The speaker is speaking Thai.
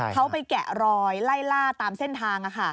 เขาไปแกะรอยไล่ล่าตามเส้นทาง